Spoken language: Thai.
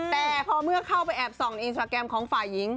แต่พอเมื่อเข้าไปแอบส่องในอินสตราแกรมของฝ่ายหญิง